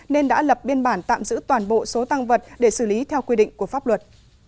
nên đã lập biên bản tạm giữ toàn bộ số tăng vật để xử lý theo quy định của pháp luật